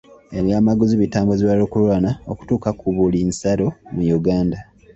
Ebyamaguzi bitambuzibwa lukululana okutuuka ku buli nsalo mu Uganda.